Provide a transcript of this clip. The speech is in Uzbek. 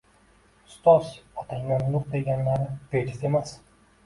Ustoz otangdan ulug’, deganlari bejiz emas.